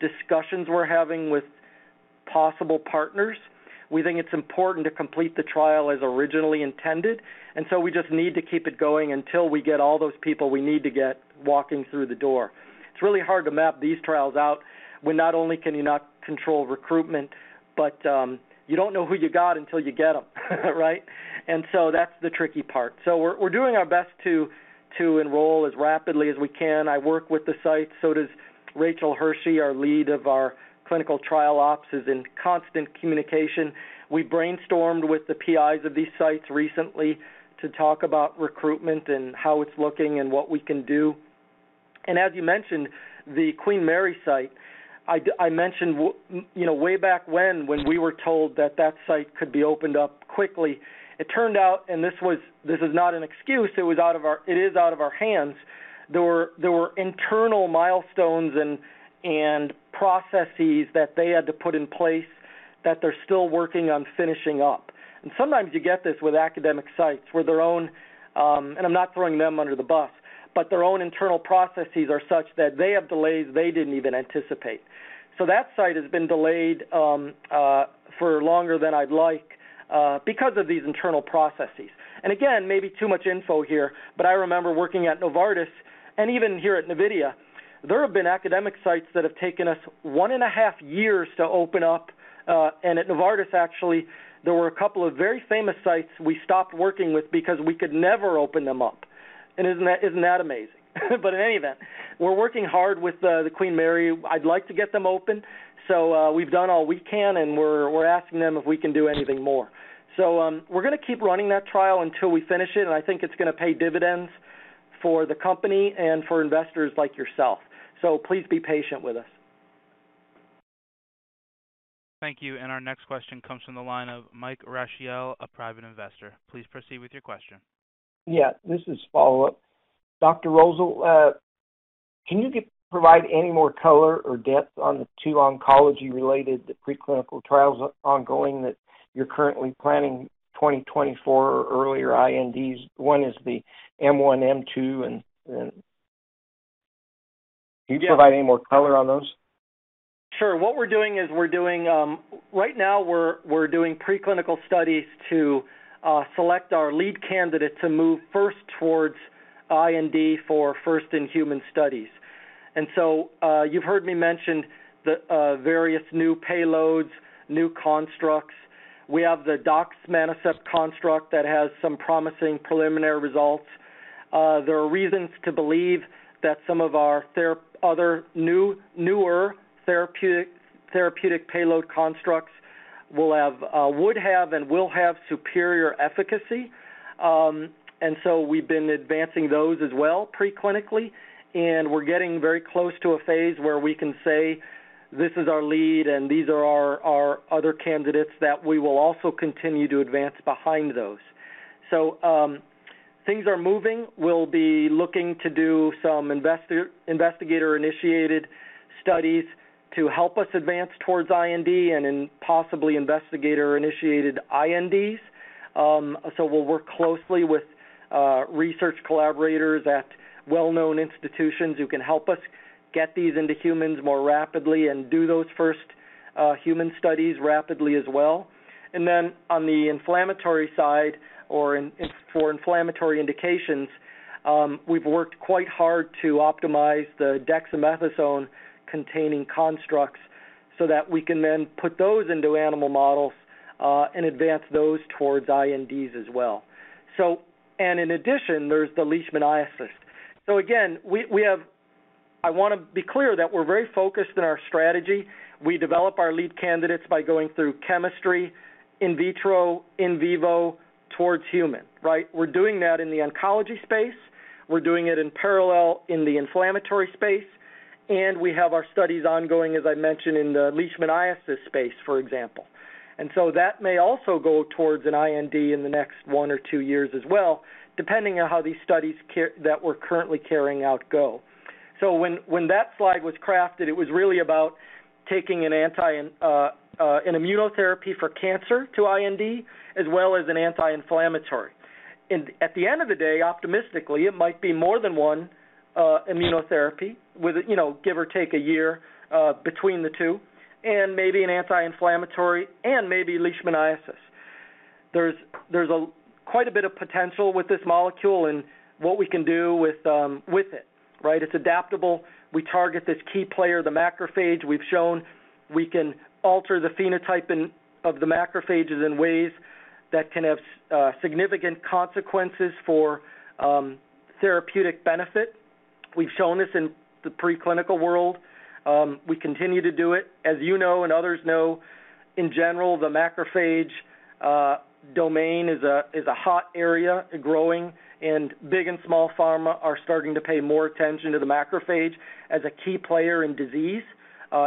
discussions we're having with possible partners. We think it's important to complete the trial as originally intended. We just need to keep it going until we get all those people we need to get walking through the door. It's really hard to map these trials out when not only can you not control recruitment, but you don't know who you got until you get them right? That's the tricky part. We're doing our best to enroll as rapidly as we can. I work with the site, so does Rachael Hershey, our lead of our clinical trial ops, is in constant communication. We brainstormed with the PIs of these sites recently to talk about recruitment and how it's looking and what we can do. As you mentioned, the Queen Mary site, I mentioned, you know, way back when we were told that that site could be opened up quickly. It turned out, and this was. This is not an excuse, it is out of our hands. There were internal milestones and processes that they had to put in place that they're still working on finishing up. Sometimes you get this with academic sites where their own, and I'm not throwing them under the bus, but their own internal processes are such that they have delays they didn't even anticipate. That site has been delayed for longer than I'd like because of these internal processes. Again, maybe too much info here, but I remember working at Novartis, and even here at Navidea, there have been academic sites that have taken us one and a half years to open up. At Novartis, actually, there were a couple of very famous sites we stopped working with because we could never open them up. Isn't that amazing? In any event, we're working hard with the Queen Mary. I'd like to get them open. We've done all we can, and we're asking them if we can do anything more. We're gonna keep running that trial until we finish it, and I think it's gonna pay dividends for the company and for investors like yourself. Please be patient with us. Thank you. Our next question comes from the line of Mike Rachiel, a private investor. Please proceed with your question. This is a follow-up. Dr. Rosol, can you provide any more color or depth on the two oncology-related preclinical trials ongoing that you're currently planning 2024 or earlier INDs? One is the M1, M2. Yeah. Can you provide any more color on those? Sure. What we're doing right now is preclinical studies to select our lead candidate to move first towards IND for first-in-human studies. You've heard me mention the various new payloads, new constructs. We have the dox-Manocept construct that has some promising preliminary results. There are reasons to believe that some of our other new, newer therapeutic payload constructs will have would have and will have superior efficacy. We've been advancing those as well preclinically, and we're getting very close to a phase where we can say, "This is our lead and these are our other candidates that we will also continue to advance behind those." Things are moving. We'll be looking to do some investigator-initiated studies to help us advance towards IND and then possibly investigator-initiated INDs. We'll work closely with research collaborators at well-known institutions who can help us get these into humans more rapidly and do those first human studies rapidly as well. On the inflammatory side or inflammatory indications, we've worked quite hard to optimize the dexamethasone-containing constructs so that we can then put those into animal models and advance those towards INDs as well. In addition, there's the leishmaniasis. I wanna be clear that we're very focused in our strategy. We develop our lead candidates by going through chemistry, in vitro, in vivo towards human, right? We're doing that in the oncology space. We're doing it in parallel in the inflammatory space, and we have our studies ongoing, as I mentioned, in the leishmaniasis space, for example. That may also go towards an IND in the next one or two years as well, depending on how these studies that we're currently carrying out go. When that slide was crafted, it was really about taking an immunotherapy for cancer to IND as well as an anti-inflammatory. At the end of the day, optimistically, it might be more than one immunotherapy with a, you know, give or take a year between the two and maybe an anti-inflammatory and maybe leishmaniasis. There's quite a bit of potential with this molecule and what we can do with it, right? It's adaptable. We target this key player, the macrophage. We've shown we can alter the phenotyping of the macrophages in ways that can have significant consequences for therapeutic benefit. We've shown this in the preclinical world. We continue to do it. As you know and others know, in general, the macrophage domain is a hot area growing, and big and small pharma are starting to pay more attention to the macrophage as a key player in disease,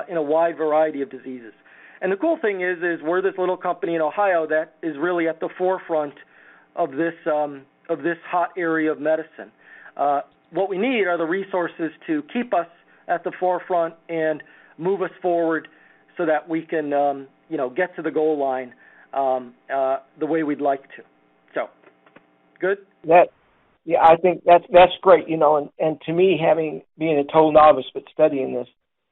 in a wide variety of diseases. The cool thing is we're this little company in Ohio that is really at the forefront of this hot area of medicine. What we need are the resources to keep us at the forefront and move us forward so that we can, you know, get to the goal line, the way we'd like to. Good? Yeah, I think that's great. You know, to me, having been a total novice but studying this,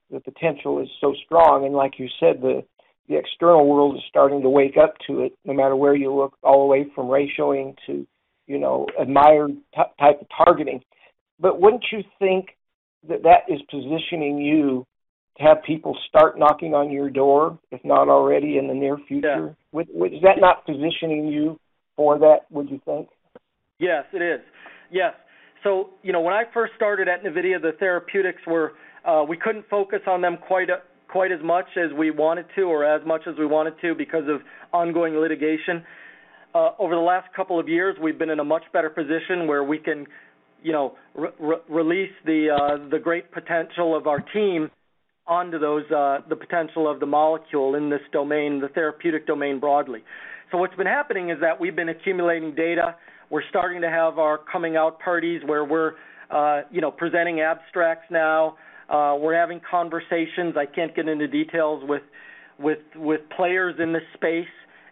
the potential is so strong. Like you said, the external world is starting to wake up to it no matter where you look, all the way from ratioing to, you know, admired ty-type of targeting. Wouldn't you think that is positioning you to have people start knocking on your door, if not already in the near future? Yeah. Is that not positioning you for that, would you think? Yes, it is. Yes. You know, when I first started at Navidea, the therapeutics were, we couldn't focus on them quite as much as we wanted to because of ongoing litigation. Over the last couple of years, we've been in a much better position where we can, you know, release the great potential of our team onto those, the potential of the molecule in this domain, the therapeutic domain, broadly. What's been happening is that we've been accumulating data. We're starting to have our coming out parties where we're presenting abstracts now. We're having conversations, I can't get into details, with players in this space.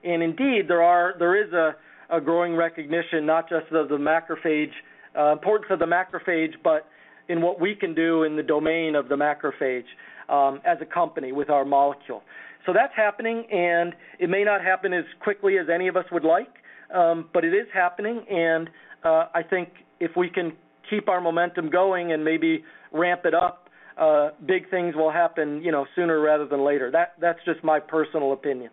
Indeed, there is a growing recognition, not just of the macrophage importance of the macrophage, but in what we can do in the domain of the macrophage, as a company with our molecule. That's happening, and it may not happen as quickly as any of us would like, but it is happening. I think if we can keep our momentum going and maybe ramp it up, big things will happen, you know, sooner rather than later. That's just my personal opinion.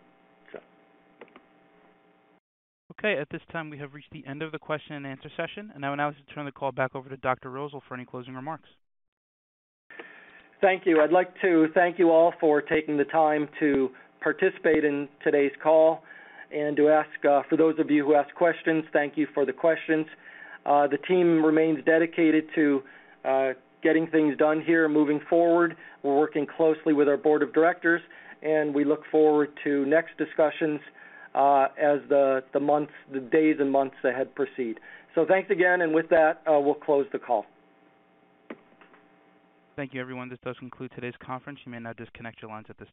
Okay. At this time, we have reached the end of the question and answer session, and I would now like to turn the call back over to Dr. Rosol for any closing remarks. Thank you. I'd like to thank you all for taking the time to participate in today's call and to ask for those of you who asked questions, thank you for the questions. The team remains dedicated to getting things done here moving forward. We're working closely with our board of directors, and we look forward to next discussions as the months, the days and months ahead proceed. Thanks again, and with that, we'll close the call. Thank you, everyone. This does conclude today's conference. You may now disconnect your lines at this time.